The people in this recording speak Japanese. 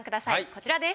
こちらです。